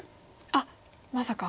あっまさか。